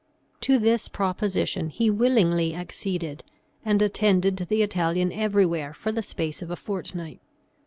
To this proposition he willingly acceded, and attended the Italian everywhere for the space of a fort night.